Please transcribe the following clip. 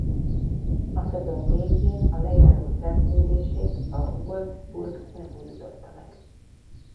A szezon végén a lejáró szerződését a Wolfsburg nem újította meg.